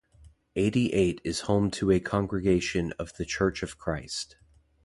Eighty Eight is home to a congregation of the Church of Christ.